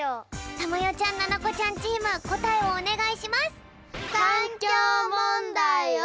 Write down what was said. たまよちゃんななこちゃんチームこたえをおねがいします。